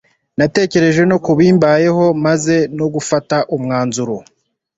natekereje kubimbayeho maze nogufata umwanzuro